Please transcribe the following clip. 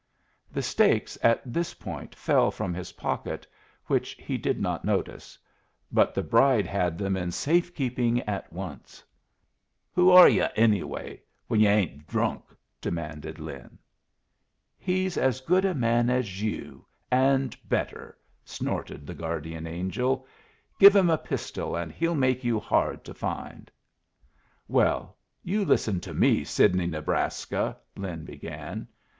The stakes at this point fell from his pocket which he did not notice. But the bride had them in safe keeping at once. "Who are yu', anyway when yu' ain't drunk?" demanded Lin. "He's as good a man as you, and better," snorted the guardian angel. "Give him a pistol, and he'll make you hard to find." "Well, you listen to me, Sidney Nebraska " Lin began.